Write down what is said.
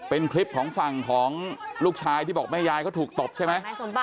เป็นคลิปของฝั่งของลูกชายที่บอกแม่ยายเขาถูกตบใช่ไหม